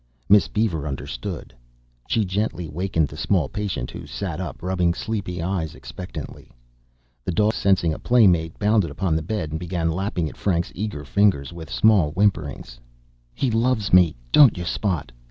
Miss Beaver understood. She gently wakened the small patient, who sat up rubbing sleepy eyes expectantly. The dog, sensing a play mate, bounded upon the bed and began lapping at Frank's eager fingers with small whimperings. "He loves me. Don't you, Spot?